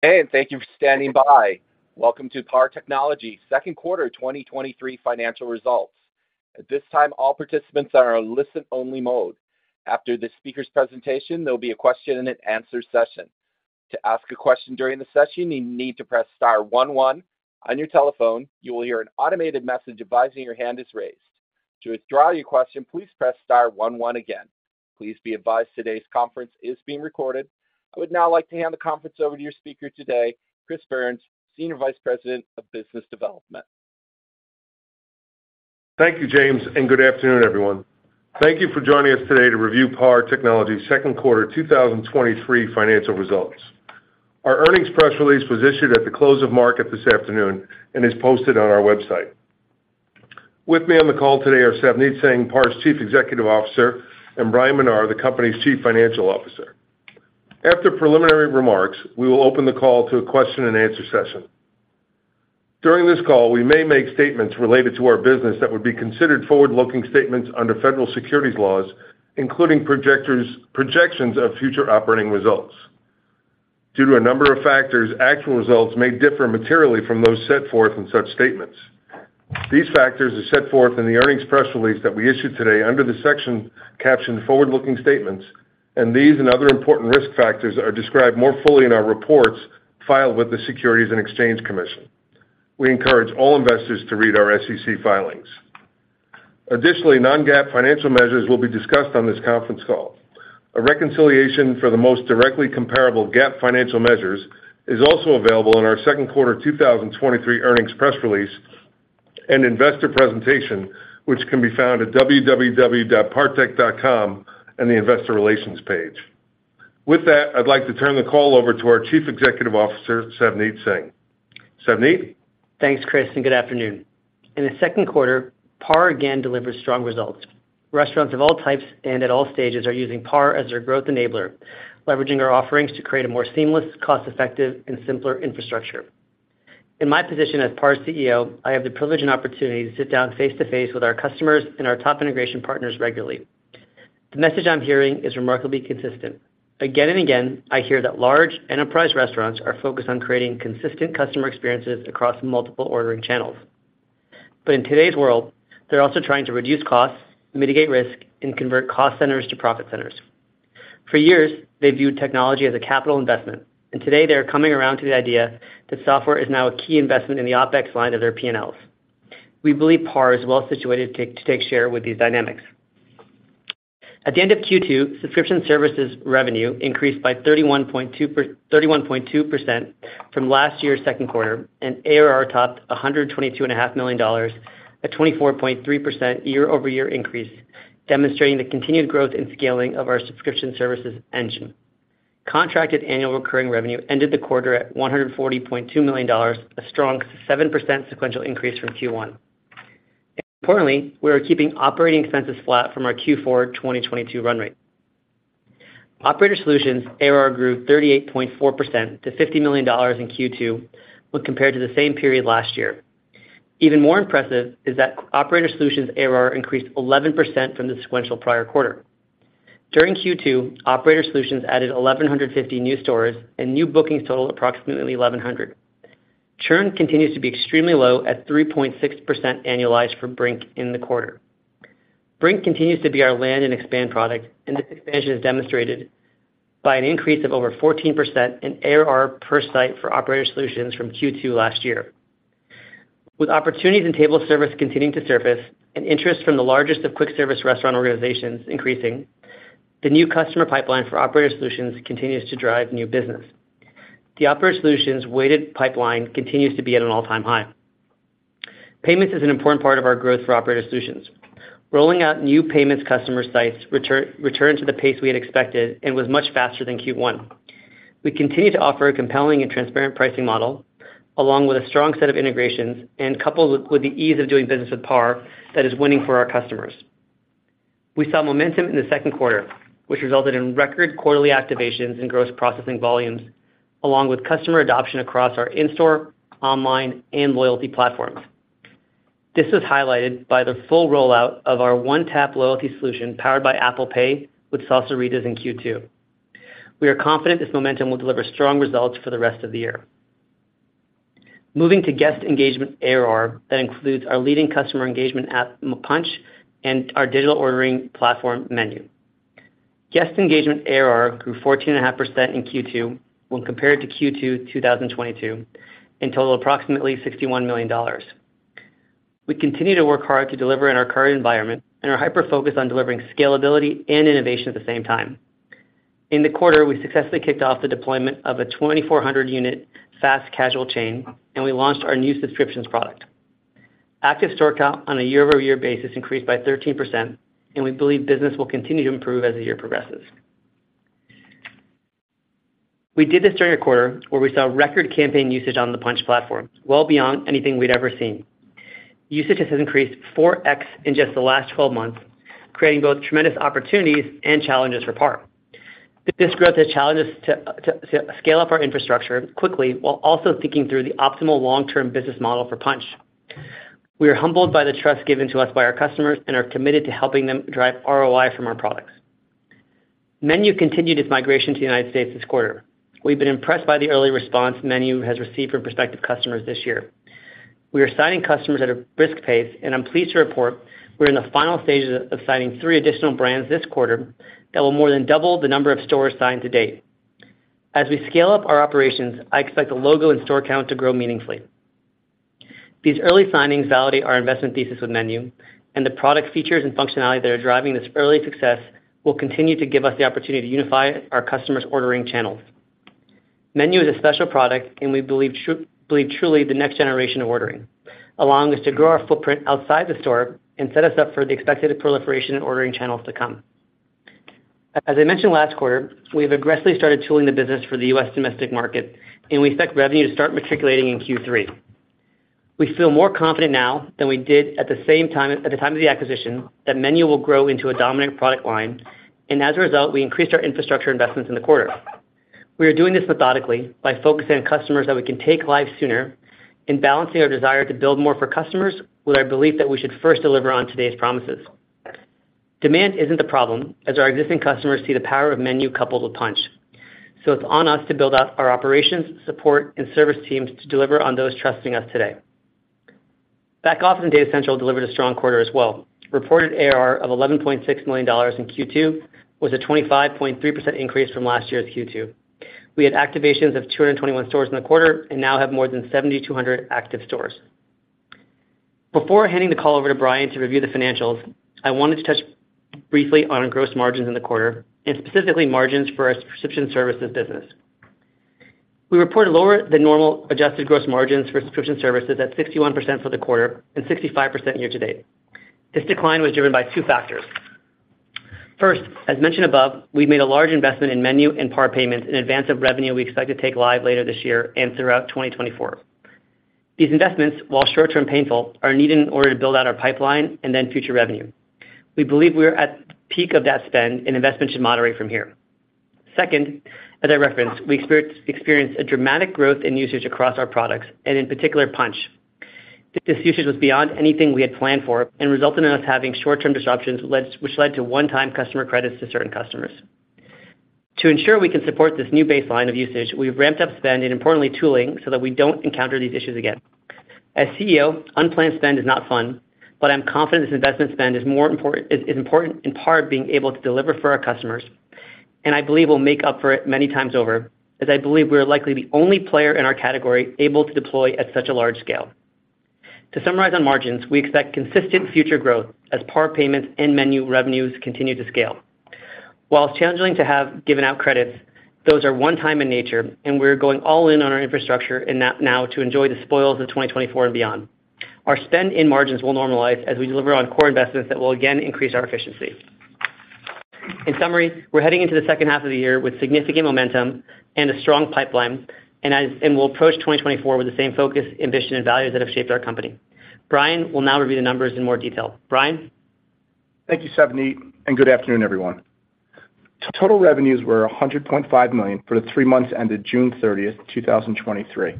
Hey, thank you for standing by. Welcome to PAR Technology, second quarter 2023 financial results. At this time, all participants are on listen only mode. After the speaker's presentation, there will be a question and answer session. To ask a question during the session, you need to press star one one on your telephone. You will hear an automated message advising your hand is raised. To withdraw your question, please press star one one again. Please be advised today's conference is being recorded. I would now like to hand the conference over to your speaker today, Chris Byrnes, Senior Vice President of Business Development. Thank you, James. Good afternoon, everyone. Thank you for joining us today to review PAR Technology's second quarter 2023 financial results. Our earnings press release was issued at the close of market this afternoon and is posted on our website. With me on the call today are Savneet Singh, PAR's Chief Executive Officer, and Bryan Menar, the company's Chief Financial Officer. After preliminary remarks, we will open the call to a question-and-answer session. During this call, we may make statements related to our business that would be considered forward-looking statements under federal securities laws, including projections of future operating results. Due to a number of factors, actual results may differ materially from those set forth in such statements. These factors are set forth in the earnings press release that we issued today under the section captioned "Forward-Looking Statements." These and other important risk factors are described more fully in our reports filed with the Securities and Exchange Commission. We encourage all investors to read our SEC filings. Additionally, non-GAAP financial measures will be discussed on this conference call. A reconciliation for the most directly comparable GAAP financial measures is also available in our second quarter 2023 earnings press release and investor presentation, which can be found at www.partech.com in the Investor Relations page. With that, I'd like to turn the call over to our Chief Executive Officer, Savneet Singh. Savneet? Thanks, Chris. Good afternoon. In the second quarter, PAR again delivered strong results. Restaurants of all types and at all stages are using PAR as their growth enabler, leveraging our offerings to create a more seamless, cost-effective, and simpler infrastructure. In my position as PAR's CEO, I have the privilege and opportunity to sit down face to face with our customers and our top integration partners regularly. The message I'm hearing is remarkably consistent. Again and again, I hear that large enterprise restaurants are focused on creating consistent customer experiences across multiple ordering channels. In today's world, they're also trying to reduce costs, mitigate risk, and convert cost centers to profit centers. For years, they viewed technology as a capital investment. Today they are coming around to the idea that software is now a key investment in the OpEx line of their P&Ls. We believe PAR is well situated to take share with these dynamics. At the end of Q2, subscription services revenue increased by 31.2% from last year's second quarter, and ARR topped $122.5 million, a 24.3% year-over-year increase, demonstrating the continued growth and scaling of our subscription services engine. Contracted annual recurring revenue ended the quarter at $140.2 million, a strong 7% sequential increase from Q1. Importantly, we are keeping operating expenses flat from our Q4 2022 run rate. Operator Solutions' ARR grew 38.4% to $50 million in Q2 when compared to the same period last year. Even more impressive is that Operator Solutions' ARR increased 11% from the sequential prior quarter. During Q2, Operator Solutions added 1,150 new stores. New bookings totaled approximately 1,100. Churn continues to be extremely low at 3.6% annualized for Brink in the quarter. Brink continues to be our land and expand product. This expansion is demonstrated by an increase of over 14% in ARR per site for Operator Solutions from Q2 last year. With opportunities in table service continuing to surface and interest from the largest of quick service restaurant organizations increasing, the new customer pipeline for Operator Solutions continues to drive new business. The Operator Solutions weighted pipeline continues to be at an all-time high. Payments is an important part of our growth for Operator Solutions. Rolling out new payments customer sites returned to the pace we had expected and was much faster than Q1. We continue to offer a compelling and transparent pricing model, along with a strong set of integrations and coupled with, with the ease of doing business with PAR, that is winning for our customers. We saw momentum in the second quarter, which resulted in record quarterly activations and gross processing volumes, along with customer adoption across our in-store, online, and loyalty platforms. This was highlighted by the full rollout of our One-Tap loyalty solution, powered by Apple Pay with Salsarita's in Q2. We are confident this momentum will deliver strong results for the rest of the year. Moving to guest engagement ARR, that includes our leading customer engagement app, Punchh, and our digital ordering platform MENU. Guest engagement ARR grew 14.5% in Q2 when compared to Q2 2022, and totaled approximately $61 million. We continue to work hard to deliver in our current environment and are hyper-focused on delivering scalability and innovation at the same time. In the quarter, we successfully kicked off the deployment of a 2,400 unit fast casual chain, and we launched our new subscriptions product. Active store count on a year-over-year basis increased by 13%, and we believe business will continue to improve as the year progresses. We did this during a quarter where we saw record campaign usage on the Punchh platform, well beyond anything we'd ever seen. Usage has increased 4x in just the last 12 months, creating both tremendous opportunities and challenges for PAR. This growth has challenged us to scale up our infrastructure quickly while also thinking through the optimal long-term business model for Punchh. We are humbled by the trust given to us by our customers and are committed to helping them drive ROI from our products. MENU continued its migration to the United States this quarter. We've been impressed by the early response MENU has received from prospective customers this year. We are signing customers at a brisk pace, and I'm pleased to report we're in the final stages of signing three additional brands this quarter that will more than double the number of stores signed to date. As we scale up our operations, I expect the logo and store count to grow meaningfully. These early signings validate our investment thesis with MENU, and the product features and functionality that are driving this early success will continue to give us the opportunity to unify our customers' ordering channels. Menu is a special product, and we believe truly the next generation of ordering, allowing us to grow our footprint outside the store and set us up for the expected proliferation in ordering channels to come. As I mentioned last quarter, we've aggressively started tooling the business for the U.S. domestic market, and we expect revenue to start matriculating in Q3. We feel more confident now than we did at the time of the acquisition, that Menu will grow into a dominant product line, and as a result, we increased our infrastructure investments in the quarter. We are doing this methodically by focusing on customers that we can take live sooner and balancing our desire to build more for customers, with our belief that we should first deliver on today's promises. Demand isn't the problem, as our existing customers see the power of MENU coupled with Punchh. It's on us to build out our operations, support, and service teams to deliver on those trusting us today. Back Office and Data Central delivered a strong quarter as well. Reported AR of $11.6 million in Q2 was a 25.3% increase from last year's Q2. We had activations of 221 stores in the quarter and now have more than 7,200 active stores. Before handing the call over to Bryan to review the financials, I wanted to touch briefly on our gross margins in the quarter and specifically margins for our subscription services business. We reported lower than normal adjusted gross margins for subscription services at 61% for the quarter and 65% year to date. This decline was driven by two factors: First, as mentioned above, we've made a large investment in MENU and PAR Payments in advance of revenue we expect to take live later this year and throughout 2024. These investments, while short-term painful, are needed in order to build out our pipeline and then future revenue. We believe we are at peak of that spend, and investment should moderate from here. Second, as I referenced, we experienced a dramatic growth in usage across our products, and in particular, Punchh. This usage was beyond anything we had planned for and resulted in us having short-term disruptions, which led to one-time customer credits to certain customers. To ensure we can support this new baseline of usage, we've ramped up spend and importantly, tooling, so that we don't encounter these issues again. As CEO, unplanned spend is not fun, but I'm confident this investment spend is important in part of being able to deliver for our customers, and I believe we'll make up for it many times over, as I believe we are likely the only player in our category able to deploy at such a large scale. To summarize on margins, we expect consistent future growth as PAR Payments and MENU revenues continue to scale. While it's challenging to have given out credits, those are one-time in nature, and we're going all in on our infrastructure and now to enjoy the spoils of 2024 and beyond. Our spend in margins will normalize as we deliver on core investments that will again increase our efficiency. In summary, we're heading into the second half of the year with significant momentum and a strong pipeline, and we'll approach 2024 with the same focus, ambition, and values that have shaped our company. Bryan will now review the numbers in more detail. Bryan? Thank you, Savneet, good afternoon, everyone. Total revenues were $100.5 million for the three months ended June 30th, 2023,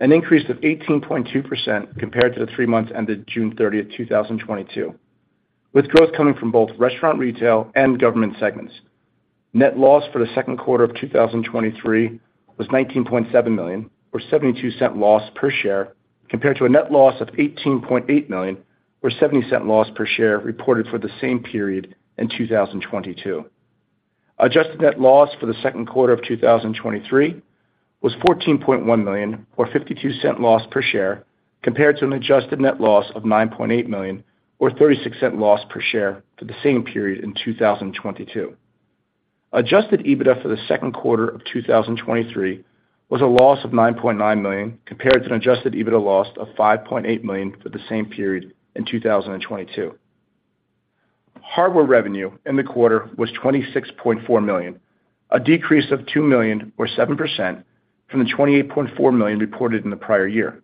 an increase of 18.2% compared to the three months ended June 30th, 2022, with growth coming from both restaurant, retail, and government segments. Net loss for the second quarter of 2023 was $19.7 million, or $0.72 loss per share, compared to a net loss of $18.8 million, or $0.70 loss per share, reported for the same period in 2022. Adjusted net loss for the second quarter of 2023 was $14.1 million or $0.52 loss per share, compared to an adjusted net loss of $9.8 million or $0.36 loss per share for the same period in 2022. Adjusted EBITDA for the second quarter of 2023 was a loss of $9.9 million, compared to an adjusted EBITDA loss of $5.8 million for the same period in 2022. Hardware revenue in the quarter was $26.4 million, a decrease of $2 million or 7% from the $28.4 million reported in the prior year.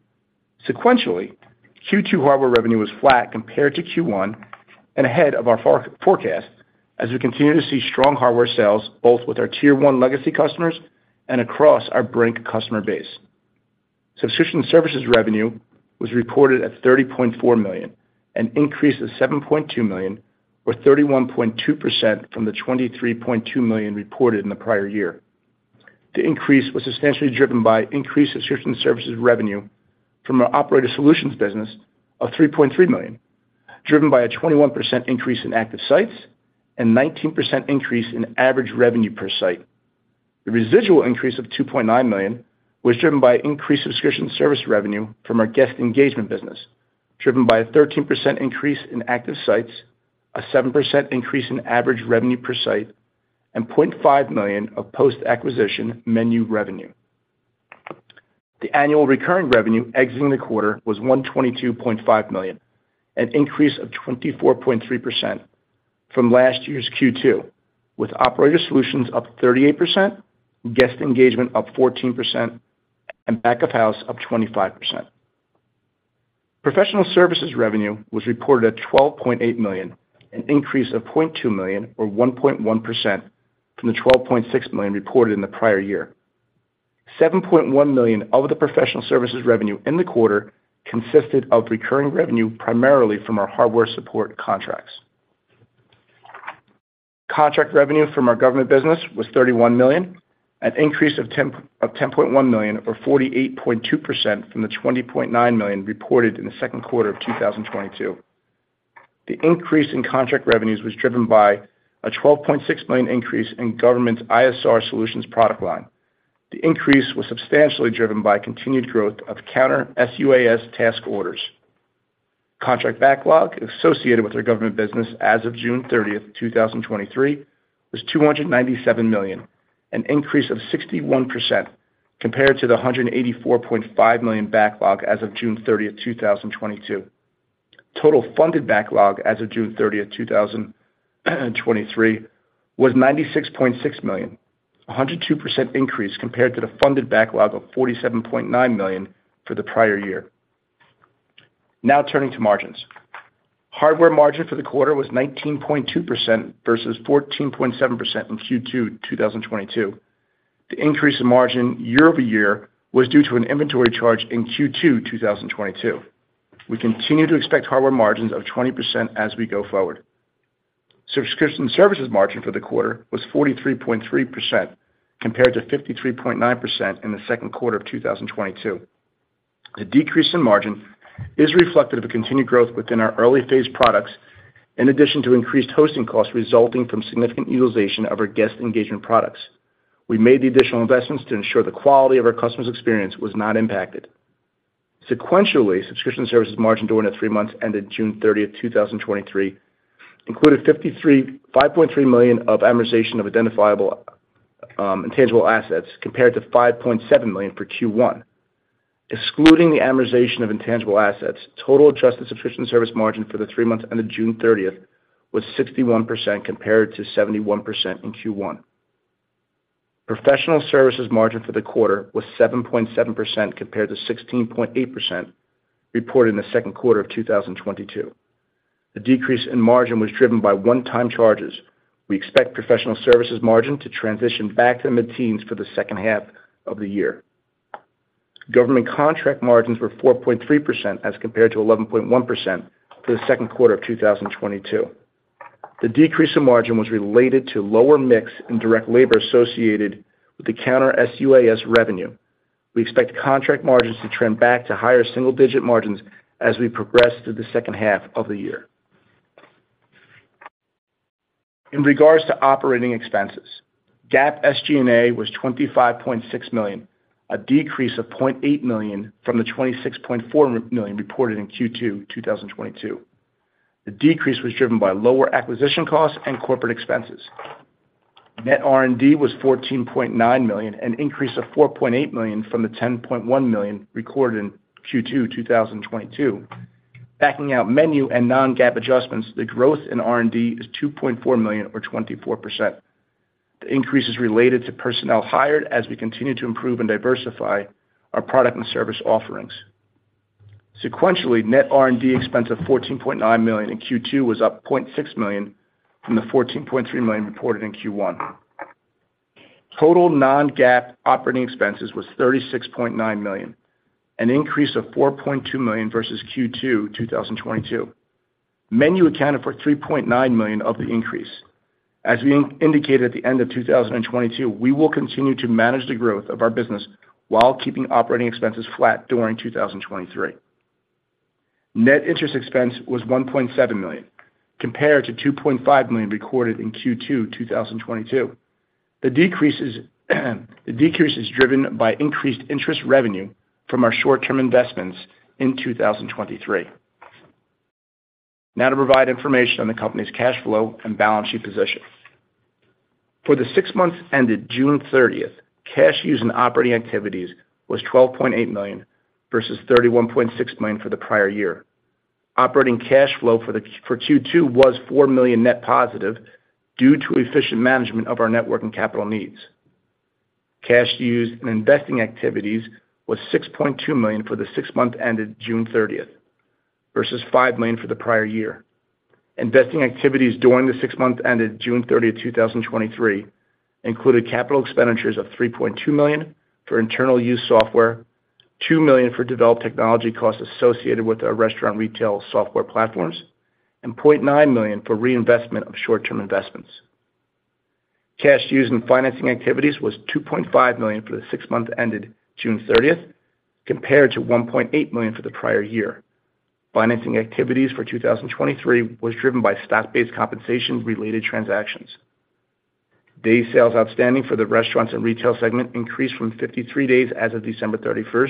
Sequentially, Q2 hardware revenue was flat compared to Q1 and ahead of our forecast as we continue to see strong hardware sales, both with our tier one legacy customers and across our Brink customer base. Subscription services revenue was reported at $30.4 million, an increase of $7.2 million, or 31.2% from the $23.2 million reported in the prior year. The increase was substantially driven by increased subscription services revenue from our Operator Solutions business of $3.3 million, driven by a 21% increase in active sites and 19% increase in average revenue per site. The residual increase of $2.9 million was driven by increased subscription service revenue from our guest engagement business, driven by a 13% increase in active sites, a 7% increase in average revenue per site, and $0.5 million of post-acquisition MENU revenue. The annual recurring revenue exiting the quarter was $122.5 million, an increase of 24.3% from last year's Q2, with Operator Solutions up 38%, guest engagement up 14%, and back of house up 25%. Professional services revenue was reported at $12.8 million, an increase of $0.2 million or 1.1% from the $12.6 million reported in the prior year. $7.1 million of the professional services revenue in the quarter consisted of recurring revenue, primarily from our hardware support contracts. Contract revenue from our government business was $31 million, an increase of $10.1 million, or 48.2% from the $20.9 million reported in the second quarter of 2022. The increase in contract revenues was driven by a $12.6 million increase in government's ISR solutions product line. The increase was substantially driven by continued growth of counter-sUAS task orders. Contract backlog associated with our government business as of June 30, 2023, was $297 million, an increase of 61% compared to the $184.5 million backlog as of June 30, 2022. Total funded backlog as of June 30, 2023, was $96.6 million, a 102% increase compared to the funded backlog of $47.9 million for the prior year. Turning to margins. Hardware margin for the quarter was 19.2% versus 14.7% in Q2 2022. The increase in margin year-over-year was due to an inventory charge in Q2 2022. We continue to expect hardware margins of 20% as we go forward. Subscription services margin for the quarter was 43.3%, compared to 53.9% in the second quarter of 2022. The decrease in margin is reflective of a continued growth within our early-phase products, in addition to increased hosting costs resulting from significant utilization of our guest engagement products. We made the additional investments to ensure the quality of our customers' experience was not impacted. Sequentially, subscription services margin during the three months ended June 30th, 2023, included $5.3 million of amortization of identifiable intangible assets, compared to $5.7 million for Q1. Excluding the amortization of intangible assets, total adjusted subscription service margin for the three months ended June 30th, was 61%, compared to 71% in Q1. Professional services margin for the quarter was 7.7%, compared to 16.8% reported in the second quarter of 2022. The decrease in margin was driven by one-time charges. We expect professional services margin to transition back to the mid-teens for the second half of the year. Government contract margins were 4.3%, as compared to 11.1% for the second quarter of 2022. The decrease in margin was related to lower mix and direct labor associated with the counter-sUAS revenue. We expect contract margins to trend back to higher single-digit margins as we progress through the second half of the year. In regards to operating expenses, GAAP SG&A was $25.6 million, a decrease of $0.8 million from the $26.4 million reported in Q2 2022. The decrease was driven by lower acquisition costs and corporate expenses. Net R&D was $14.9 million, an increase of $4.8 million from the $10.1 million recorded in Q2 2022. Backing out MENU and non-GAAP adjustments, the growth in R&D is $2.4 million, or 24%. The increase is related to personnel hired as we continue to improve and diversify our product and service offerings. Sequentially, net R&D expense of $14.9 million in Q2 was up $0.6 million from the $14.3 million reported in Q1. Total non-GAAP operating expenses was $36.9 million, an increase of $4.2 million versus Q2 2022. MENU accounted for $3.9 million of the increase. As we indicated at the end of 2022, we will continue to manage the growth of our business while keeping operating expenses flat during 2023. Net interest expense was $1.7 million, compared to $2.5 million recorded in Q2 2022. The decrease is driven by increased interest revenue from our short-term investments in 2023. To provide information on the company's cash flow and balance sheet position. For the six months ended June 30th, cash used in operating activities was $12.8 million, versus $31.6 million for the prior year. Operating cash flow for Q2 was $4 million net positive, due to efficient management of our network and capital needs. Cash used in investing activities was $6.2 million for the six months ended June 30th, versus $5 million for the prior year. Investing activities during the 6 months ended June 30, 2023, included capital expenditures of $3.2 million for internal use software, $2 million for developed technology costs associated with our restaurant retail software platforms, and $0.9 million for reinvestment of short-term investments. Cash used in financing activities was $2.5 million for the 6 months ended June 30, compared to $1.8 million for the prior year. Financing activities for 2023 was driven by stock-based compensation-related transactions. Day sales outstanding for the restaurants and retail segment increased from 53 days as of December 31,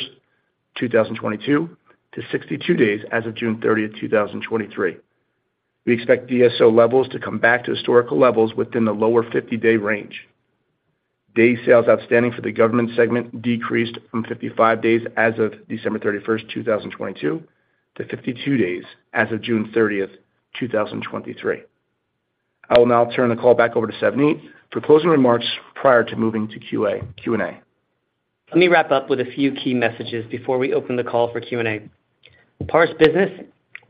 2022, to 62 days as of June 30, 2023. We expect DSO levels to come back to historical levels within the lower 50-day range. Day sales outstanding for the government segment decreased from 55 days as of December 31, 2022, to 52 days as of June 30, 2023. I will now turn the call back over to Savneet for closing remarks prior to moving to Q&A. Let me wrap up with a few key messages before we open the call for Q&A. PAR's business,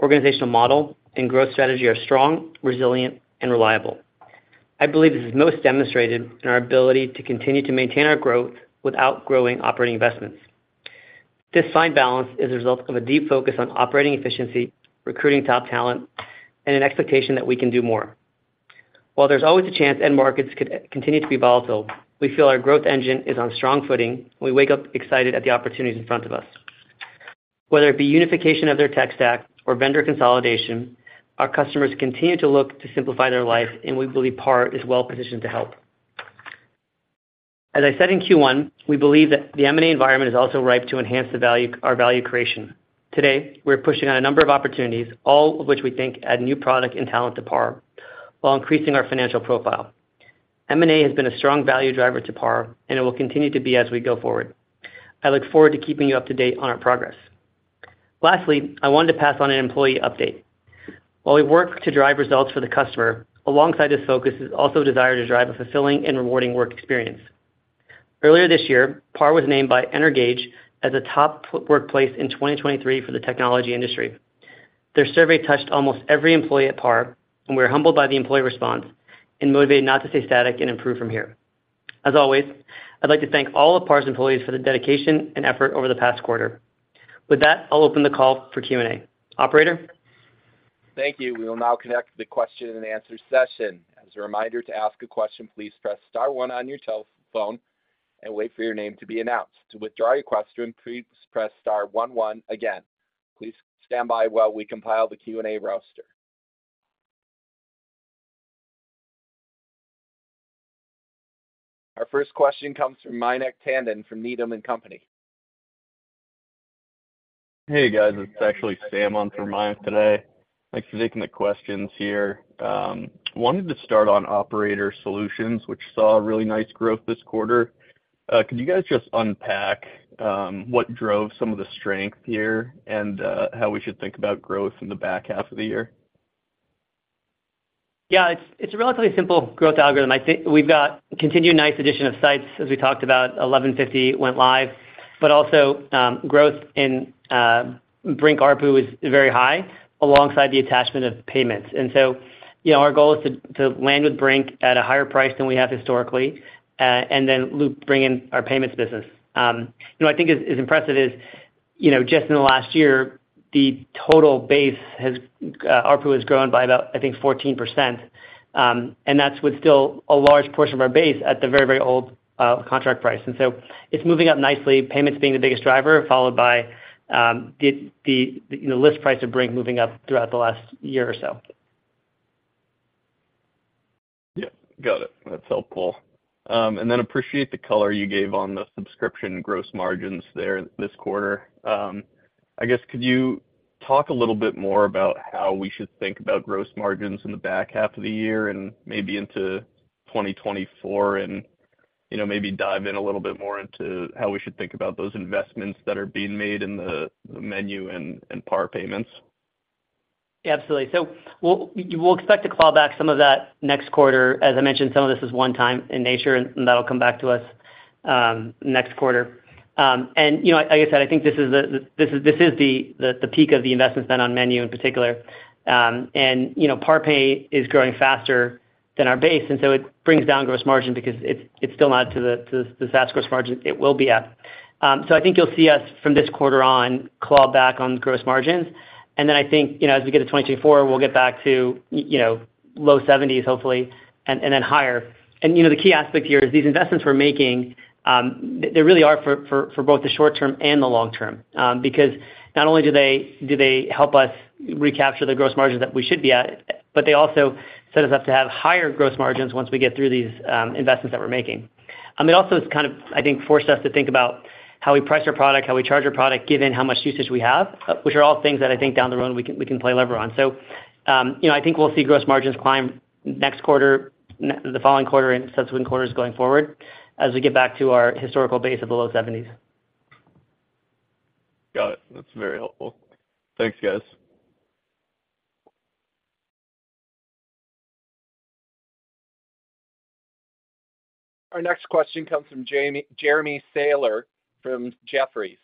organizational model, and growth strategy are strong, resilient, and reliable.... I believe this is most demonstrated in our ability to continue to maintain our growth without growing operating investments. This fine balance is a result of a deep focus on operating efficiency, recruiting top talent, and an expectation that we can do more. While there's always a chance end markets could continue to be volatile, we feel our growth engine is on strong footing. We wake up excited at the opportunities in front of us. Whether it be unification of their tech stack or vendor consolidation, our customers continue to look to simplify their life, and we believe PAR is well positioned to help. As I said in Q1, we believe that the M&A environment is also ripe to enhance the value, our value creation. Today, we're pushing on a number of opportunities, all of which we think add new product and talent to PAR, while increasing our financial profile. M&A has been a strong value driver to PAR, and it will continue to be as we go forward. I look forward to keeping you up to date on our progress. Lastly, I wanted to pass on an employee update. While we work to drive results for the customer, alongside this focus is also a desire to drive a fulfilling and rewarding work experience. Earlier this year, PAR was named by energage as a top workplace in 2023 for the technology industry. Their survey touched almost every employee at PAR. We are humbled by the employee response and motivated not to stay static and improve from here. As always, I'd like to thank all of PAR's employees for the dedication and effort over the past quarter. With that, I'll open the call for Q&A. Operator? Thank you. We will now connect to the question and answer session. As a reminder, to ask a question, please press star one on your telephone and wait for your name to be announced. To withdraw your question, please press star one one. Again, please stand by while we compile the Q&A roster. Our first question comes from Mayank Tandon from Needham & Company. Hey, guys, it's actually Sam on for Mayank today. Thanks for taking the questions here. Wanted to start on Operator Solutions, which saw really nice growth this quarter. Could you guys just unpack, what drove some of the strength here and, how we should think about growth in the back half of the year? Yeah, it's, it's a relatively simple growth algorithm. I think we've got continued nice addition of sites. As we talked about, 1,150 went live, but also, growth in Brink ARPU is very high, alongside the attachment of payments. You know, our goal is to, to land with Brink at a higher price than we have historically, and then bring in our payments business. You know, I think is, is impressive is, you know, just in the last year, the total base has, ARPU has grown by about, I think, 14%, and that's with still a large portion of our base at the very, very old, contract price. It's moving up nicely, payments being the biggest driver, followed by, the, you know, list price of Brink moving up throughout the last year or so. Yeah, got it. That's helpful. Appreciate the color you gave on the subscription gross margins there this quarter. I guess, could you talk a little bit more about how we should think about gross margins in the back half of the year and maybe into 2024, and, you know, maybe dive in a little bit more into how we should think about those investments that are being made in the, the MENU and, and PAR Payments? Yeah, absolutely. We'll expect to claw back some of that next quarter. As I mentioned, some of this is one time in nature, and that'll come back to us next quarter. You know, like I said, I think this is the peak of the investments done on MENU in particular. You know, PAR Pay is growing faster than our base, and so it brings down gross margin because it's still not to the SaaS gross margin it will be at. I think you'll see us from this quarter on claw back on gross margins. I think, you know, as we get to 2024, we'll get back to, you know, low 70s, hopefully, and then higher. You know, the key aspect here is these investments we're making, they really are for, for, for both the short term and the long term, because not only do they, do they help us recapture the gross margins that we should be at, but they also set us up to have higher gross margins once we get through these investments that we're making. It also has kind of, I think, forced us to think about how we price our product, how we charge our product, given how much usage we have, which are all things that I think down the road we can, we can play lever on. You know, I think we'll see gross margins climb next quarter, the following quarter and subsequent quarters going forward as we get back to our historical base of the low seventies. Got it. That's very helpful. Thanks, guys. Our next question comes from Jeremy Sahler from Jefferies.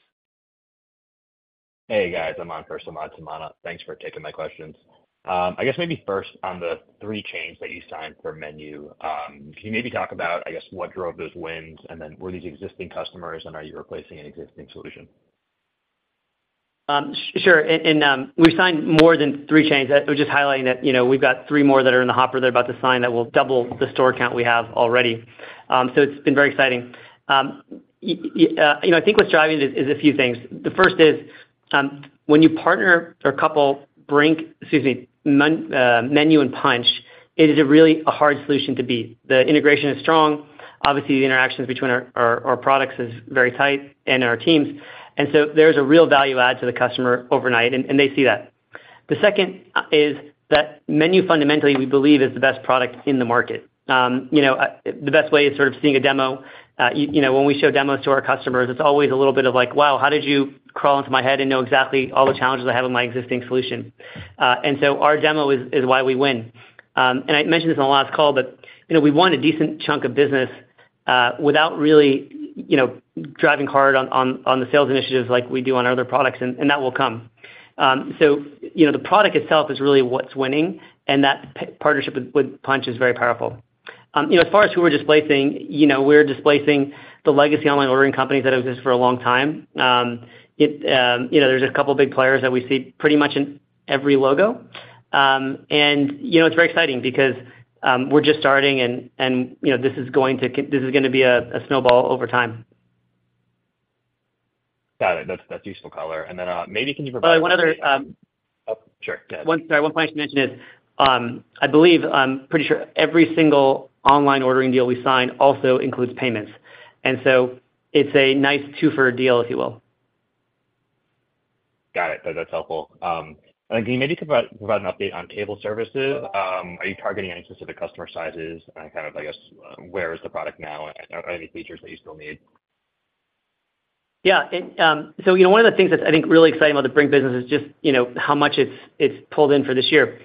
Hey, guys. I'm on for Samad Samana. Thanks for taking my questions. I guess maybe first on the three chains that you signed for MENU, can you maybe talk about, I guess, what drove those wins? Were these existing customers, and are you replacing an existing solution? Sure. We've signed more than 3 chains. I was just highlighting that, you know, we've got 3 more that are in the hopper that are about to sign, that will double the store count we have already. It's been very exciting. you know, I think what's driving it is a few things. The first is, when you partner or couple Brink, excuse me, MENU and Punchh, it is a really a hard solution to beat. The integration is strong. Obviously, the interactions between our, our, our products is very tight and our teams, and so there's a real value add to the customer overnight, and they see that. The second, is that MENU fundamentally, we believe, is the best product in the market. You know, the best way is sort of seeing a demo. You know, when we show demos to our customers, it's always a little bit of like: Wow, how did you crawl into my head and know exactly all the challenges I have in my existing solution? So our demo is, is why we win. I mentioned this on the last call, but you know, we won a decent chunk of business, without really, you know, driving hard on the sales initiatives like we do on our other products, and, and that will come.... You know, the product itself is really what's winning, and that p- partnership with, with Punchh is very powerful. You know, as far as who we're displacing, you know, we're displacing the legacy online ordering companies that have existed for a long time. It, you know, there's a couple of big players that we see pretty much in every logo. And, you know, it's very exciting because we're just starting and, and, you know, this is going to this is gonna be a, a snowball over time. Got it. That's, that's useful color. Then, maybe can you provide- Oh, one other... Oh, sure. Yeah. One-- sorry, one point I should mention is, I believe, I'm pretty sure every single online ordering deal we sign also includes payments, and so it's a nice two-for deal, if you will. Got it. That's helpful. Can you maybe provide, provide an update on table services? Are you targeting any specific customer sizes? Kind of, I guess, where is the product now, and are any features that you still need? Yeah. You know, one of the things that's, I think, really exciting about the Brink business is just, you know, how much it's, it's pulled in for this year.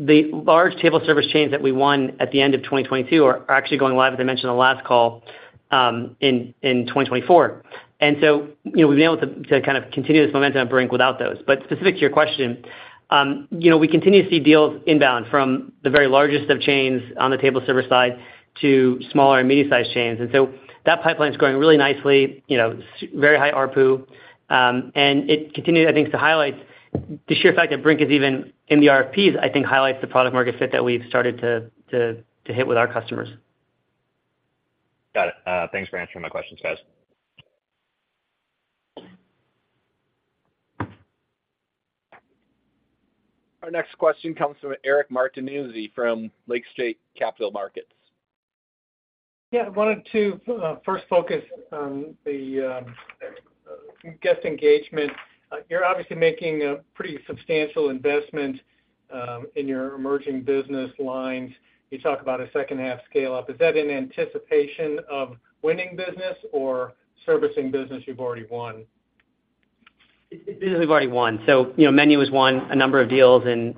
The large table service chains that we won at the end of 2022 are, are actually going live, as I mentioned on the last call, in 2024. You know, we've been able to, to kind of continue this momentum at Brink without those. Specific to your question, you know, we continue to see deals inbound from the very largest of chains on the table service side to smaller and medium-sized chains. That pipeline is growing really nicely, you know, very high ARPU, and it continued, I think, to highlight the sheer fact that Brink is even in the RFPs, I think highlights the product market fit that we've started to, to, to hit with our customers. Got it. Thanks for answering my questions, guys. Our next question comes from Eric Martinuzzi from Lake Street Capital Markets. Yeah, I wanted to first focus on the guest engagement. You're obviously making a pretty substantial investment in your emerging business lines. You talk about a second-half scale-up. Is that in anticipation of winning business or servicing business you've already won? we've already won. you know, MENU has won a number of deals in,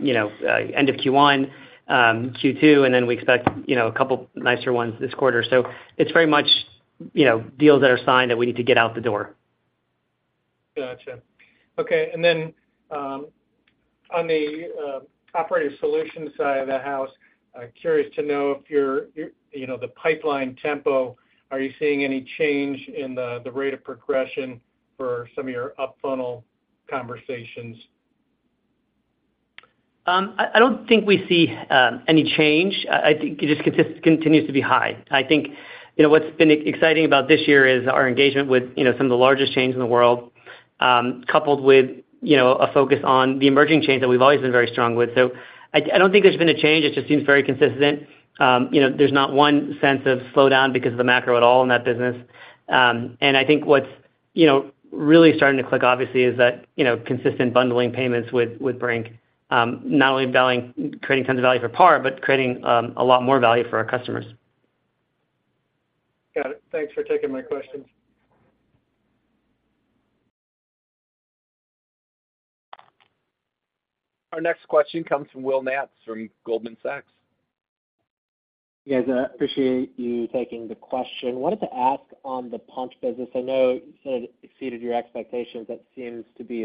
you know, end of Q1, Q2, and then we expect, you know, a couple nicer ones this quarter. it's very much, deals that are signed that we need to get out the door. Got you. Okay, and then, on the Operator Solutions side of the house, I'm curious to know if you're, you, you know, the pipeline tempo, are you seeing any change in the rate of progression for some of your up-funnel conversations? I, I don't think we see any change. I, I think it just continues to be high. I think, you know, what's been exciting about this year is our engagement with, you know, some of the largest chains in the world, coupled with, you know, a focus on the emerging chains that we've always been very strong with. I, I don't think there's been a change. It just seems very consistent. You know, there's not one sense of slowdown because of the macro at all in that business. And I think what's, you know, really starting to click, obviously, is that, you know, consistent bundling payments with, with Brink, not only creating tons of value for PAR, but creating a lot more value for our customers. Got it. Thanks for taking my questions. Our next question comes from Will Nance from Goldman Sachs. Yes, I appreciate you taking the question. I wanted to ask on the Punchh business, I know you said it exceeded your expectations. That seems to be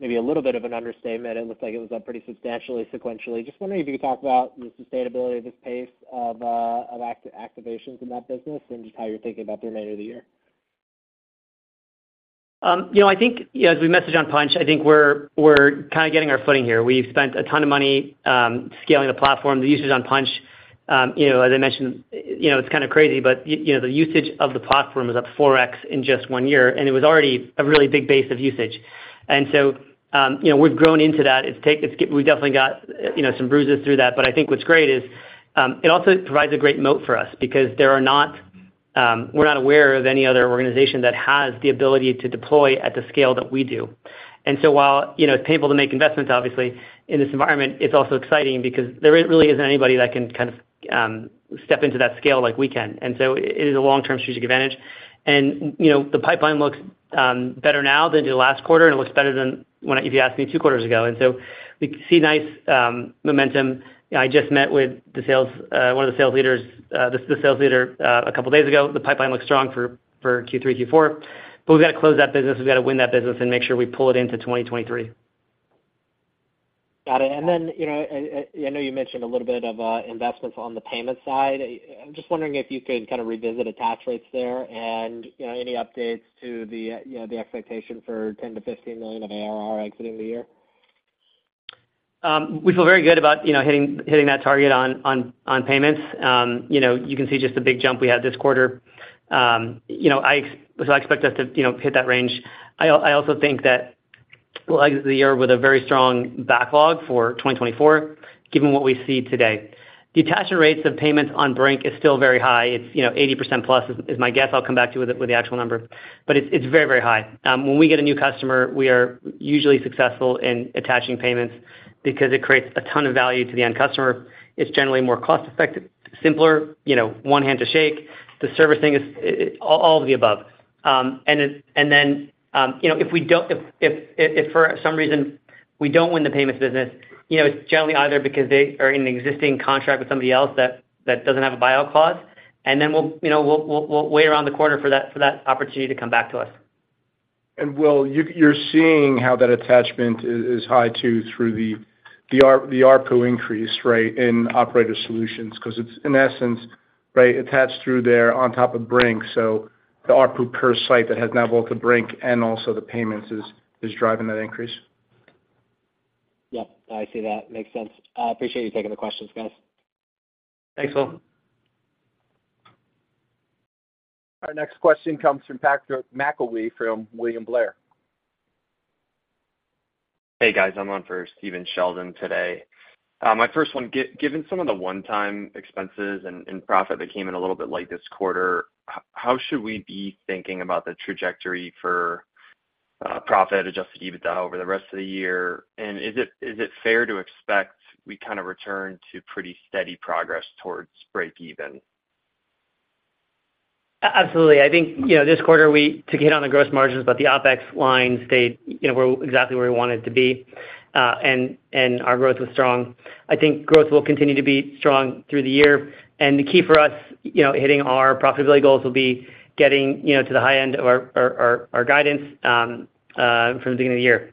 maybe a little bit of an understatement. It looks like it was up pretty substantially sequentially. Just wondering if you could talk about the sustainability of this pace of activations in that business and just how you're thinking about the remainder of the year. You know, I think, you know, as we message on Punchh, I think we're, we're kind of getting our footing here. We've spent a ton of money, scaling the platform, the usage on Punchh. You know, as I mentioned, you know, it's kind of crazy, but you know, the usage of the platform is up 4x in just one year, and it was already a really big base of usage. So, you know, we've grown into that. We've definitely got, you know, some bruises through that. I think what's great is, it also provides a great moat for us because there are not, we're not aware of any other organization that has the ability to deploy at the scale that we do. While, you know, it's painful to make investments, obviously, in this environment, it's also exciting because there really isn't anybody that can kind of step into that scale like we can. It is a long-term strategic advantage. You know, the pipeline looks better now than it did last quarter, and it looks better than when if you asked me two quarters ago. We see nice momentum. I just met with the sales, one of the sales leaders, the, the sales leader, a couple of days ago. The pipeline looks strong for, for Q3, Q4, but we've got to close that business, we've got to win that business, and make sure we pull it into 2023. Got it. Then, you know, I know you mentioned a little bit of investments on the payment side. I'm just wondering if you could kind of revisit attach rates there and, you know, any updates to the, you know, the expectation for $10 million-$15 million of ARR exiting the year? We feel very good about, you know, hitting, hitting that target on, on, on payments. You know, I expect us to, you know, hit that range. I, I also think that we'll exit the year with a very strong backlog for 2024, given what we see today. The attachment rates of payments on Brink is still very high. It's, you know, 80% plus is, is my guess. I'll come back to you with the, the actual number, but it's, it's very, very high. When we get a new customer, we are usually successful in attaching payments because it creates a ton of value to the end customer. It's generally more cost-effective, simpler, you know, one hand to shake. The service thing is, all, all of the above. Then, you know, if we don't, if, if, if for some reason-... we don't win the payments business, you know, it's generally either because they are in an existing contract with somebody else that, that doesn't have a buyout clause, and then we'll, you know, we'll, we'll, we'll wait around the corner for that, for that opportunity to come back to us. Will, you're seeing how that attachment is high, too, through the ARPU increase, right, in Operator Solutions, 'cause it's, in essence, right, attached through there on top of Brink. The ARPU per site that has now both the Brink and also the payments is driving that increase? Yep, I see that. Makes sense. I appreciate you taking the questions, guys. Thanks, Will. Our next question comes from Patrick McIlwee from William Blair. Hey, guys. I'm on for Stephen Sheldon today. My first one: Given some of the one-time expenses and, and profit that came in a little bit late this quarter, how should we be thinking about the trajectory for profit, adjusted EBITDA, over the rest of the year? Is it, is it fair to expect we kind of return to pretty steady progress towards breakeven? Absolutely. I think, you know, this quarter, we took a hit on the gross margins, but the OpEx line stayed, you know, where exactly where we want it to be, and our growth was strong. I think growth will continue to be strong through the year. The key for us, you know, hitting our profitability goals will be getting, you know, to the high end of our, our, our, our guidance from the beginning of the year.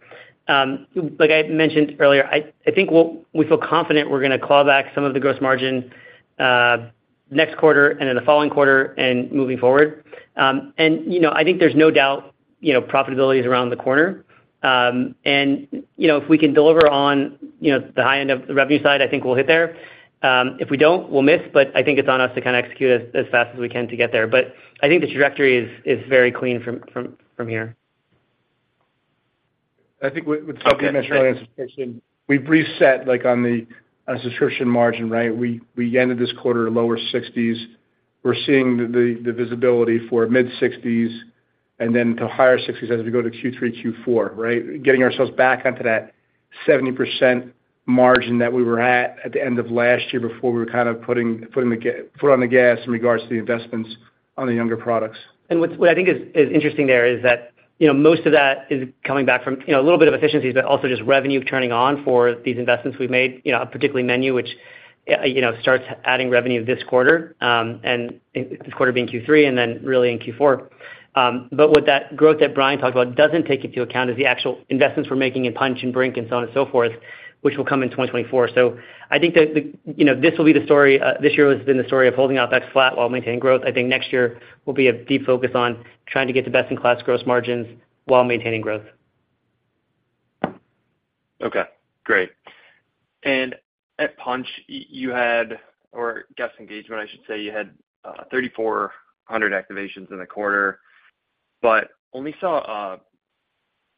Like I had mentioned earlier, I, I think we'll we feel confident we're gonna claw back some of the gross margin next quarter and in the following quarter and moving forward. You know, I think there's no doubt, you know, profitability is around the corner. You know, if we can deliver on, you know, the high end of the revenue side, I think we'll hit there. If we don't, we'll miss, I think it's on us to kind of execute as, as fast as we can to get there. I think the trajectory is, is very clean from, from, from here. I think what, what Patrick mentioned earlier, we've reset, like, on the, on subscription margin, right? We, we ended this quarter at lower 60s. We're seeing the, the visibility for mid-60s and then to higher 60s as we go to Q3, Q4, right? Getting ourselves back onto that 70% margin that we were at, at the end of last year before we were kind of putting, putting the foot on the gas in regards to the investments on the younger products. What I think is, is interesting there is that, you know, most of that is coming back from, you know, a little bit of efficiencies, but also just revenue turning on for these investments we've made, you know, particularly MENU, which, you know, starts adding revenue this quarter, and this quarter being Q3 and then really in Q4. What that growth that Bryan talked about doesn't take into account is the actual investments we're making in Punchh and Brink and so on and so forth, which will come in 2024. I think that, you know, this will be the story, this year has been the story of holding OpEx flat while maintaining growth. I think next year will be a deep focus on trying to get to best-in-class gross margins while maintaining growth. Okay, great. At Punchh, you had, or guest engagement, I should say, you had 3,400 activations in the quarter, but only saw,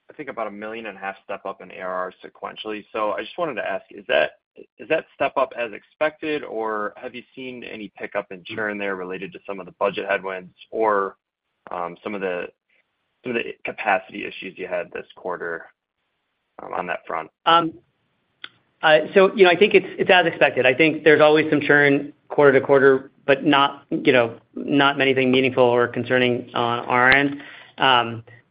I think about a $1.5 million step-up in ARR sequentially. I just wanted to ask, is that, is that step-up as expected, or have you seen any pickup in churn there related to some of the budget headwinds or, some of the, some of the capacity issues you had this quarter, on that front? You know, I think it's, it's as expected. I think there's always some churn quarter to quarter, but not, you know, not anything meaningful or concerning on our end.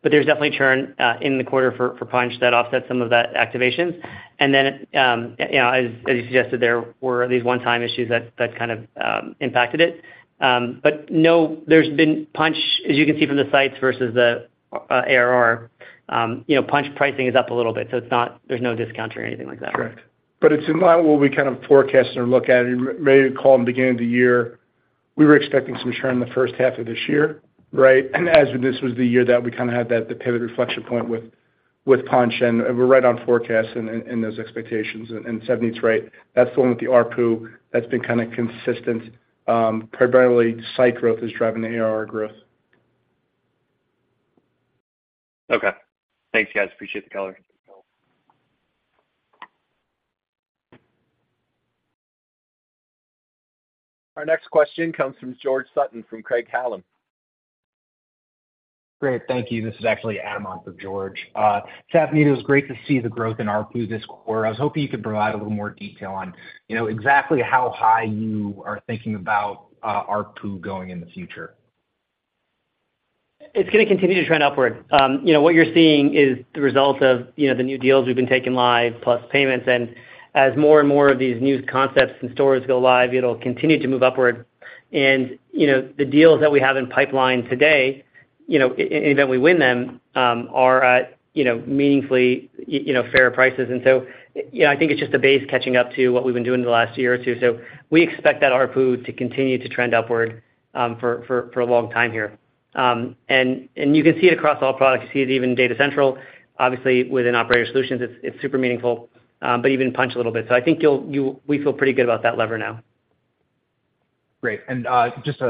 There's definitely churn, in the quarter for, for Punchh that offsets some of that activations. You know, as, as you suggested, there were these one-time issues that, that kind of, impacted it. No, there's been Punchh, as you can see from the sites versus the, ARR, you know, Punchh pricing is up a little bit, so it's not, there's no discount or anything like that. Correct. It's in line with what we kind of forecast and look at. May call in the beginning of the year, we were expecting some churn in the first half of this year, right? As this was the year that we kind of had that, the pivot inflection point with, with Punchh, and we're right on forecast and, and those expectations. Savneet's right. That's the one with the ARPU that's been kind of consistent. Primarily, site growth is driving the ARR growth. Okay. Thanks, guys. Appreciate the color. Our next question comes from George Sutton, from Craig-Hallum. Great. Thank you. This is actually Adam on for George. Savneet, it was great to see the growth in ARPU this quarter. I was hoping you could provide a little more detail on, you know, exactly how high you are thinking about ARPU going in the future. It's gonna continue to trend upward. You know, what you're seeing is the result of, you know, the new deals we've been taking live, plus payments. As more and more of these new concepts and stores go live, it'll continue to move upward. You know, the deals that we have in pipeline today, if we win them, are at, you know, meaningfully, you know, fair prices. You know, I think it's just the base catching up to what we've been doing the last year or two. We expect that ARPU to continue to trend upward for a long time here. You can see it across all products. You see it even in Data Central. Obviously, within Operator Solutions, it's, it's super meaningful, but even Punchh a little bit. I think you'll, we feel pretty good about that lever now. Great. Just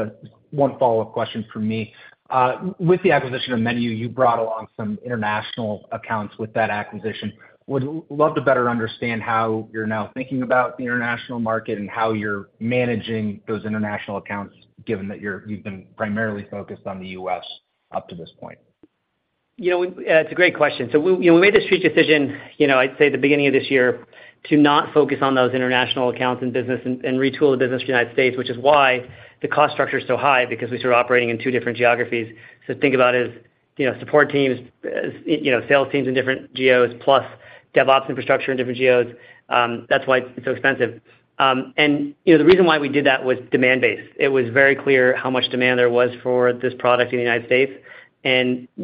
one follow-up question from me. With the acquisition of MENU, you brought along some international accounts with that acquisition. Would love to better understand how you're now thinking about the international market and how you're managing those international accounts, given that you've been primarily focused on the U.S. up to this point? You know, we, it's a great question. We, you know, we made the strategic decision, you know, I'd say the beginning of this year, to not focus on those international accounts and business and, and retool the business to the United States, which is why the cost structure is so high, because we started operating in two different geographies. Think about it as... you know, support teams, you know, sales teams in different geos, plus DevOps infrastructure in different geos, that's why it's so expensive. You know, the reason why we did that was demand-based. It was very clear how much demand there was for this product in the United States.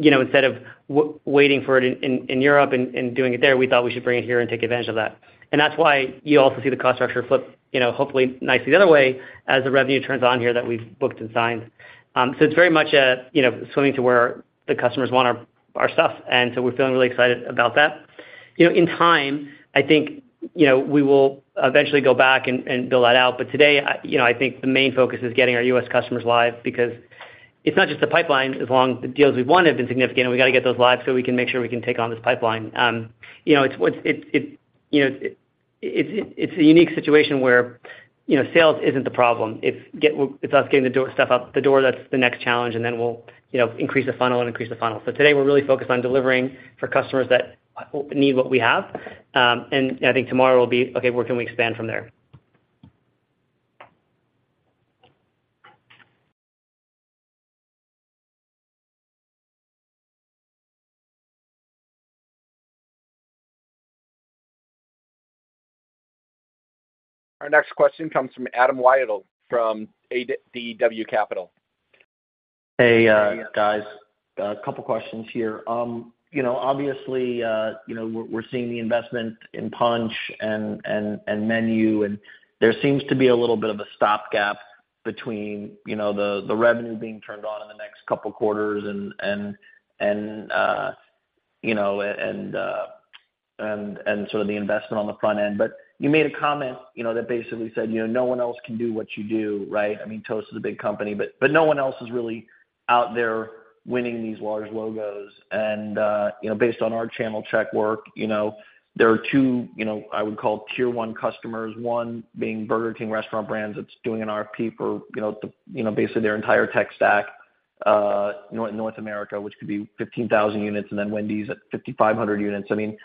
You know, instead of waiting for it in, in Europe and, and doing it there, we thought we should bring it here and take advantage of that. That's why you also see the cost structure flip, you know, hopefully nicely the other way, as the revenue turns on here that we've booked and signed. It's very much a, you know, swimming to where the customers want our, our stuff, and so we're feeling really excited about that. You know, in time, I think, you know, we will eventually go back and, and build that out. Today, I, you know, I think the main focus is getting our U.S. customers live, because it's not just the pipeline, as long as the deals we've won have been significant, and we got to get those live so we can make sure we can take on this pipeline. You know, it's, what's, it, it, you know, it, it's a unique situation where, you know, sales isn't the problem. It's It's us getting the stuff out the door, that's the next challenge, and then we'll, you know, increase the funnel and increase the funnel. Today, we're really focused on delivering for customers that need what we have. I think tomorrow will be, okay, where can we expand from there? Our next question comes from Adam Wyden from ADW Capital. Hey, guys, 2 questions here. You know, obviously, you know, we're, we're seeing the investment in Punchh and MENU, and there seems to be a little bit of a stopgap between, you know, the, the revenue being turned on in the next 2 quarters, and, you know, and sort of the investment on the front end. You made a comment, you know, that basically said, you know, no one else can do what you do, right? I mean, Toast is a big company, but, but no one else is really out there winning these large logos. You know, based on our channel check work, you know, there are two, you know, I would call tier one customers, one being Burger King Restaurant Brands that's doing an RFP for, you know, the, you know, basically their entire tech stack, North America, which could be 15,000 units, and then Wendy's at 5,500 units. I mean,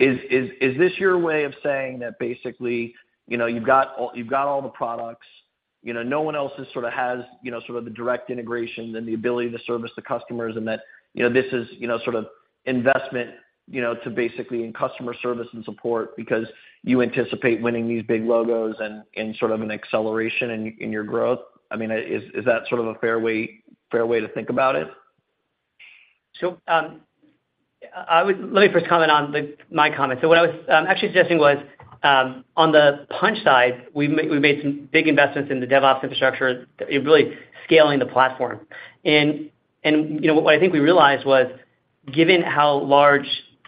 is, is, is this your way of saying that basically, you know, you've got all, you've got all the products, you know, no one else is sort of has, you know, sort of the direct integration and the ability to service the customers, and that, you know, this is, you know, sort of investment, you know, to basically in customer service and support because you anticipate winning these big logos and, and sort of an acceleration in, in your growth? I mean, is, is that sort of a fair way, fair way to think about it? I would-- Let me first comment on the, my comment. So what I was actually suggesting was, on the Punchh side, we made some big investments in the DevOps infrastructure, it really scaling the platform. You know, what I think we realized was, given how large,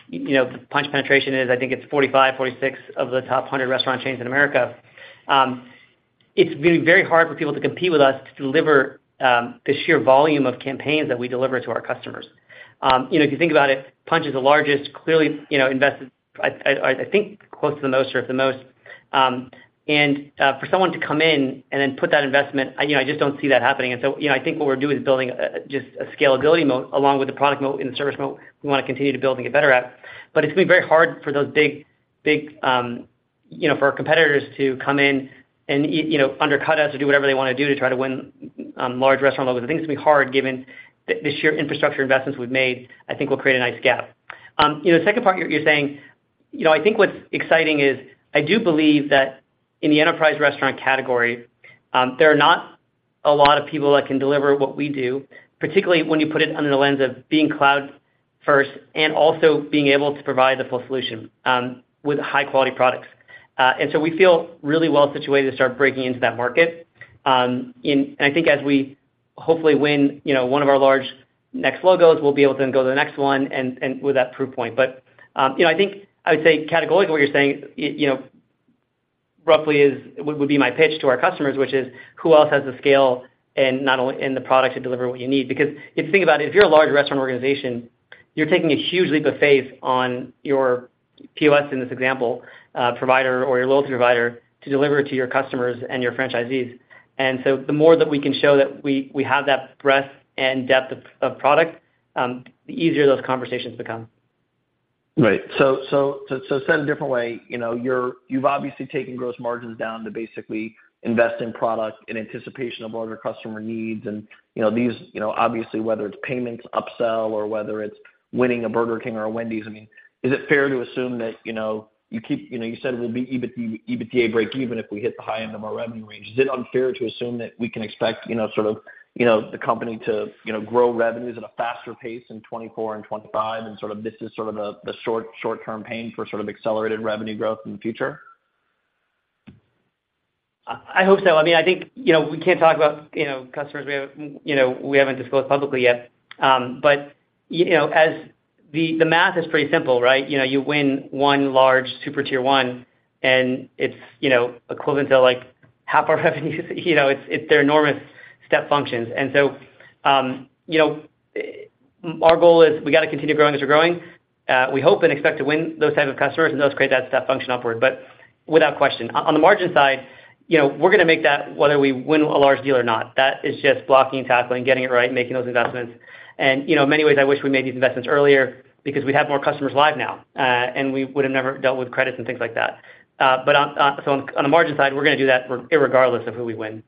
you know, Punchh penetration is, I think it's 45, 46 of the top 100 restaurant chains in America, it's going to be very hard for people to compete with us to deliver, the sheer volume of campaigns that we deliver to our customers. You know, if you think about it, Punchh is the largest, clearly, you know, invested, I think, close to the most or the most. For someone to come in and then put that investment, I, you know, I just don't see that happening. You know, I think what we're doing is building, just a scalability moat along with the product moat and the service moat we want to continue to build and get better at. It's going to be very hard for those big, big, you know, for our competitors to come in and, you know, undercut us or do whatever they want to do to try to win, large restaurant logos. I think it's going to be hard, given the, the sheer infrastructure investments we've made, I think will create a nice gap. You know, the second part you're, you're saying, you know, I think what's exciting is, I do believe that in the enterprise restaurant category, there are not a lot of people that can deliver what we do, particularly when you put it under the lens of being cloud first and also being able to provide the full solution with high-quality products. We feel really well situated to start breaking into that market. I think as we hopefully win, you know, one of our large next logos, we'll be able to then go to the next one and, and with that proof point. you know, I think I would say categorically, what you're saying, you know, roughly is, would, would be my pitch to our customers, which is, who else has the scale and the product to deliver what you need? Because if you think about it, if you're a large restaurant organization, you're taking a huge leap of faith on your POS, in this example, provider or your loyalty provider, to deliver it to your customers and your franchisees. So the more that we can show that we, we have that breadth and depth of, of product, the easier those conversations become. Right. said a different way, you know, you're-- You've obviously taken gross margins down to basically invest in product in anticipation of larger customer needs. you know, these, you know, obviously, whether it's payments, upsell, or whether it's winning a Burger King or a Wendy's, I mean, is it fair to assume that, you know, you keep, you know, you said it will be EBITDA, EBITDA breakeven if we hit the high end of our revenue range. Is it unfair to assume that we can expect, you know, sort of, you know, the company to, you know, grow revenues at a faster pace in 2024 and 2025, and sort of this is sort of the, the short, short-term pain for sort of accelerated revenue growth in the future? I, I hope so. I mean, I think, you know, we can't talk about, you know, customers we have, you know, we haven't disclosed publicly yet. You know, as the, the math is pretty simple, right? You know, you win one large super tier one, and it's, you know, equivalent to, like, half our revenues, you know, it's, they're enormous step functions. You know, our goal is we got to continue growing as we're growing. We hope and expect to win those type of customers, and those create that step function upward, but without question. On the margin side, you know, we're going to make that whether we win a large deal or not. That is just blocking and tackling, getting it right, making those investments. You know, in many ways, I wish we made these investments earlier because we'd have more customers live now, and we would have never dealt with credits and things like that. On, so on the margin side, we're going to do that irregardless of who we win....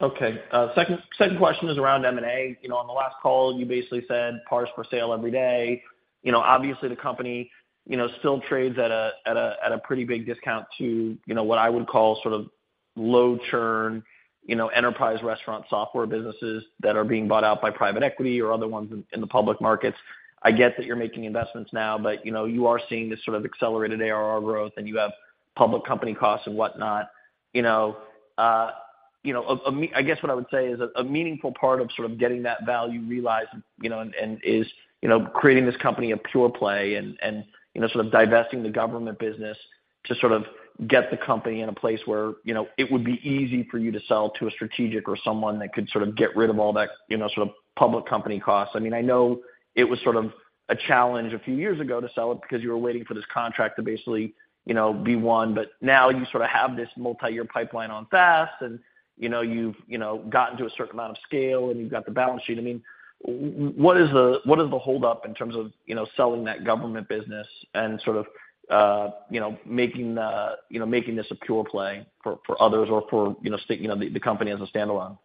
Okay. Second, second question is around M&A. You know, on the last call, you basically said PAR's for sale every day. You know, obviously, the company, you know, still trades at a pretty big discount to, you know, what I would call sort of low churn, you know, enterprise restaurant software businesses that are being bought out by private equity or other ones in, in the public markets. I get that you're making investments now, you know, you are seeing this sort of accelerated ARR growth, and you have public company costs and whatnot, you know, a I guess what I would say is a, a meaningful part of sort of getting that value realized, you know, and, and is, you know, creating this company a pure play and, and, you know, sort of divesting the government business to sort of get the company in a place where, you know, it would be easy for you to sell to a strategic or someone that could sort of get rid of all that, you know, sort of public company costs. I mean, I know it was sort of a challenge a few years ago to sell it because you were waiting for this contract to basically, you know, be won. Now you sort of have this multiyear pipeline on fast, and, you know, you've, you know, gotten to a certain amount of scale, and you've got the balance sheet. I mean, what is the, what is the holdup in terms of, you know, selling that government business and sort of, you know, making, you know, making this a pure play for, for others or for, you know, state, you know, the, the company as a standalone?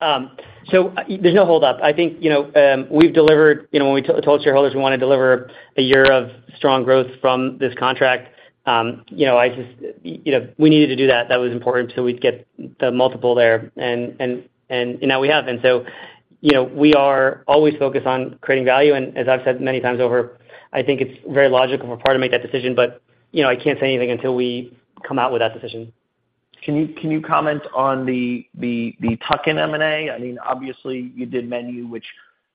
There's no holdup. I think, you know, we've delivered, you know, when we told shareholders we wanted to deliver a year of strong growth from this contract, you know, I just, you know, we needed to do that. That was important till we'd get the multiple there, and, and, and now we have. You know, we are always focused on creating value, and as I've said many times over, I think it's very logical for PAR to make that decision. You know, I can't say anything until we come out with that decision. Can you, can you comment on the tuck-in M&A? I mean, obviously, you did MENU, which,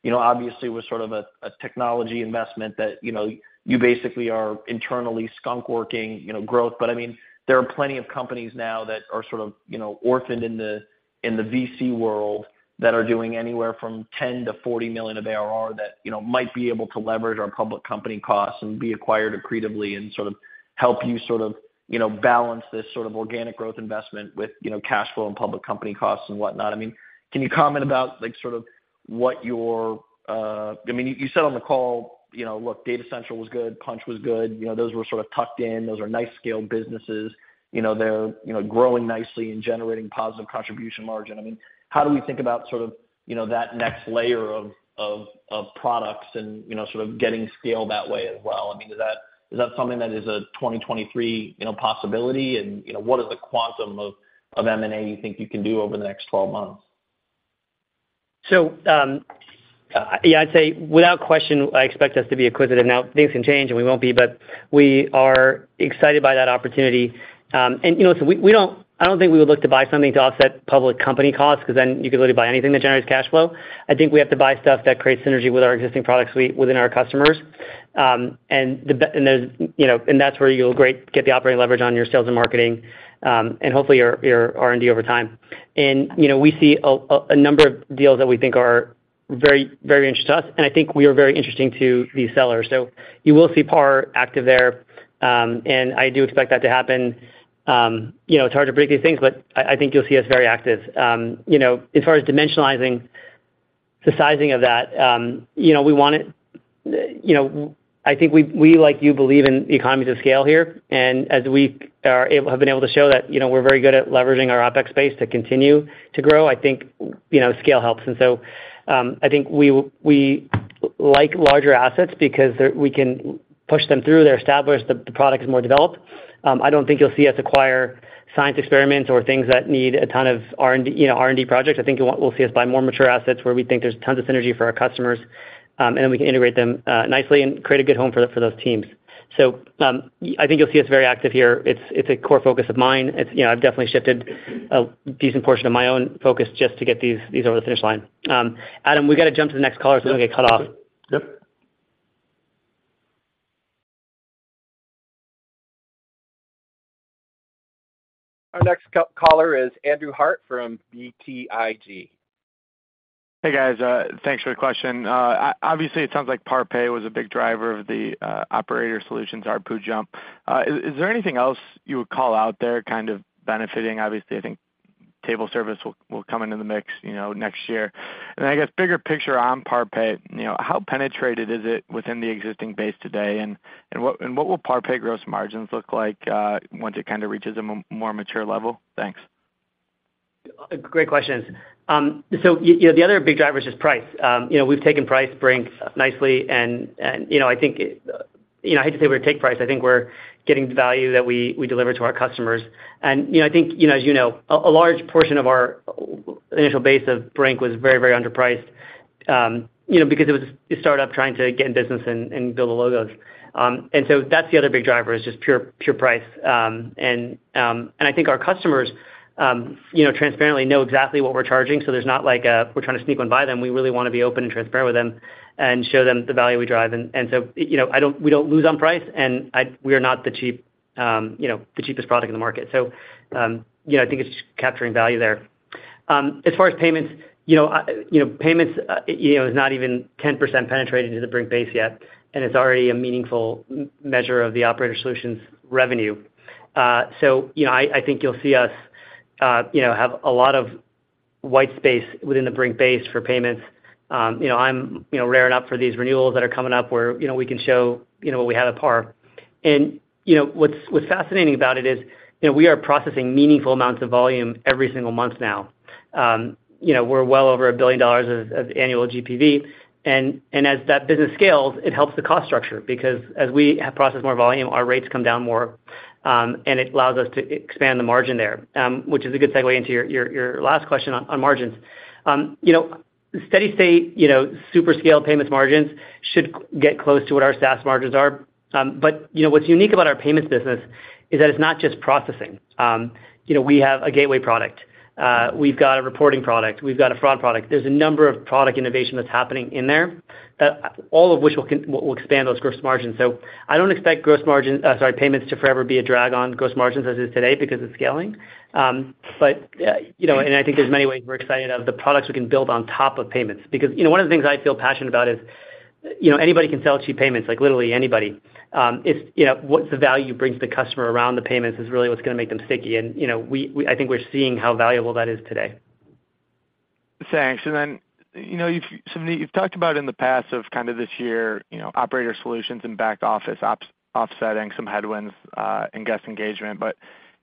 you know, obviously, was sort of a technology investment that, you know, you basically are internally skunk working, you know, growth. I mean, there are plenty of companies now that are sort of, you know, orphaned in the VC world that are doing anywhere from $10 million-$40 million of ARR that, you know, might be able to leverage our public company costs and be acquired accretively and sort of help you sort of, you know, balance this sort of organic growth investment with, you know, cash flow and public company costs and whatnot. I mean, can you comment about, like, sort of what your? I mean, you, you said on the call, you know, look, Data Central was good, Punchh was good. You know, those were sort of tucked in. Those are nice scale businesses. You know, they're, you know, growing nicely and generating positive contribution margin. I mean, how do we think about sort of, you know, that next layer of, of, of products and, you know, sort of getting scale that way as well? I mean, is that, is that something that is a 2023, you know, possibility? You know, what is the quantum of M&A you think you can do over the next 12 months? Yeah, I'd say without question, I expect us to be acquisitive. Now, things can change, and we won't be, but we are excited by that opportunity. You know, so we, we don't I don't think we would look to buy something to offset public company costs, 'cause then you could literally buy anything that generates cash flow. I think we have to buy stuff that creates synergy with our existing products within our customers. There's, you know, and that's where you'll get the operating leverage on your sales and marketing, and hopefully, your, your R&D over time. You know, we see a number of deals that we think are very, very interesting to us, and I think we are very interesting to these sellers. You will see PAR active there, and I do expect that to happen. You know, it's hard to predict these things, but I think you'll see us very active. You know, as far as dimensionalizing the sizing of that, you know, we want it, you know, I think we, we, like you, believe in economies of scale here. As we are able, have been able to show that, you know, we're very good at leveraging our OpEx base to continue to grow, I think, you know, scale helps. I think we like larger assets because we can push them through. They're established, the product is more developed. I don't think you'll see us acquire science experiments or things that need a ton of R&D, you know, R&D projects. I think we'll see us buy more mature assets where we think there's tons of synergy for our customers, and then we can integrate them nicely and create a good home for, for those teams. I think you'll see us very active here. It's, it's a core focus of mine. It's, you know, I've definitely shifted a decent portion of my own focus just to get these, these over the finish line. Adam, we've got to jump to the next caller, so we get cut off. Yep. Our next caller is Andrew Harte from BTIG. Hey, guys. Thanks for the question. Obviously, it sounds like PAR Pay was a big driver of the Operator Solutions ARPU jump. Is there anything else you would call out there kind of benefiting? Obviously, I think table service will come into the mix, you know, next year. I guess bigger picture on PAR Pay, you know, how penetrated is it within the existing base today, and what will PAR Pay gross margins look like once it kind of reaches a more mature level? Thanks. Great questions. You know, the other big driver is just price. You know, we've taken price Brink nicely, and, you know, I think, you know, I hate to say we're take price. I think we're getting the value that we, we deliver to our customers. You know, I think, you know, as you know, a, a large portion of our initial base of Brink was very, very underpriced, you know, because it was a startup trying to get in business and, and build the logos. That's the other big driver, is just pure, pure price. I think our customers, you know, transparently know exactly what we're charging, so there's not like a, we're trying to sneak one by them. We really want to be open and transparent with them and show them the value we drive. We don't lose on price, and we are not the cheap, the cheapest product in the market. I think it's just capturing value there. As far as payments, payments is not even 10% penetrated to the Brink base yet, and it's already a meaningful measure of the Operator Solutions revenue. I, I think you'll see us have a lot of white space within the Brink base for payments. I'm raring up for these renewals that are coming up where we can show what we have at PAR. You know, what's, what's fascinating about it is, you know, we are processing meaningful amounts of volume every single month now. You know, we're well over $1 billion of, of annual GPV, and, and as that business scales, it helps the cost structure, because as we process more volume, our rates come down more, and it allows us to expand the margin there, which is a good segue into your, your, your last question on, on margins. You know, steady state, you know, super scale payments margins should get close to what our SaaS margins are. You know, what's unique about our payments business is that it's not just processing. You know, we have a gateway product, we've got a reporting product, we've got a fraud product. There's a number of product innovation that's happening in there, all of which will, will expand those gross margins. I don't expect gross margin, sorry, payments to forever be a drag on gross margins as it is today because it's scaling. You know, and I think there's many ways we're excited of the products we can build on top of payments. You know, one of the things I feel passionate about is, you know, anybody can sell cheap payments, like, literally anybody. It's, you know, what's the value brings the customer around the payments is really what's gonna make them sticky. You know, we, I think we're seeing how valuable that is today. Thanks. You know, Savneet, you've talked about in the past of kind of this year, you know, Operator Solutions and Back Office ops offsetting some headwinds in Guest Engagement.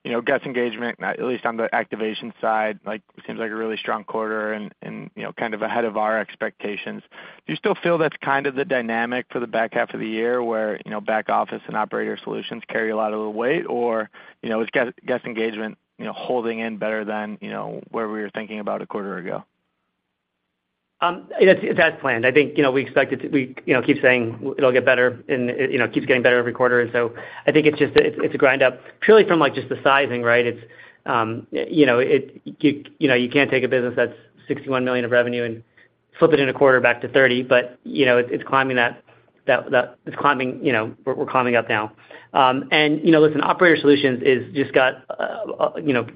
You know, Guest Engagement, at least on the activation side, like, seems like a really strong quarter and, you know, kind of ahead of our expectations. Do you still feel that's kind of the dynamic for the back half of the year, where, you know, Back Office and Operator Solutions carry a lot of the weight, or, you know, is Guest Engagement, you know, holding in better than, you know, where we were thinking about a quarter ago? It's, it's as planned. I think, you know, we expect it to. We, you know, keep saying it'll get better and, you know, it keeps getting better every quarter. I think it's just a, it's a grind up, purely from, like, just the sizing, right? It's, you know, it, you, you know, you can't take a business that's $61 million of revenue and flip it in a quarter back to 30. You know, it's climbing that, that, that. It's climbing, you know, we're climbing up now. You know, listen, Operator Solutions is just got, you know,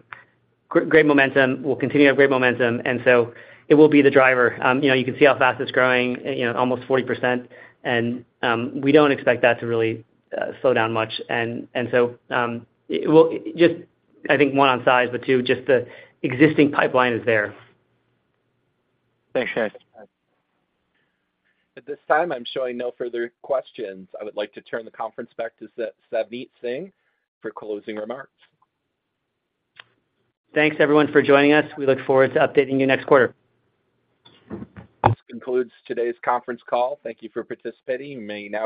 great momentum, we'll continue to have great momentum, and so it will be the driver. You know, you can see how fast it's growing, you know, almost 40%. We don't expect that to really slow down much. Well, just I think, one, on size, but two, just the existing pipeline is there. Thanks, guys. At this time, I'm showing no further questions. I would like to turn the conference back to Savneet Singh for closing remarks. Thanks, everyone, for joining us. We look forward to updating you next quarter. This concludes today's conference call. Thank you for participating. You may now disconnect.